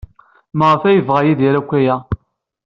Maɣef ay yebɣa Yidir akk aya?